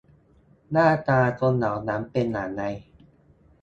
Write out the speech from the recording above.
หน้าตาคนเหล่านี้เป็นอย่างไร